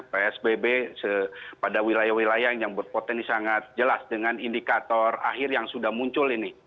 psbb pada wilayah wilayah yang berpotensi sangat jelas dengan indikator akhir yang sudah muncul ini